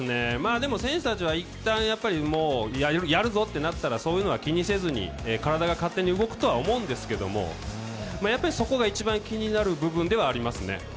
でも、選手たちはいったんやるぞってなったら、そういうのは気にせず、体が勝手に動くとは思うんですけどやっぱりそこが一番気になる部分ではありますね。